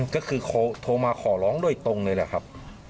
ก็คือโทรมาขอร้องโดยตรงเลยแหละครับ